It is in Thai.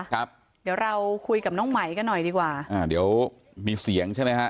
ครับเดี๋ยวเราคุยกับน้องไหมกันหน่อยดีกว่าอ่าเดี๋ยวมีเสียงใช่ไหมฮะ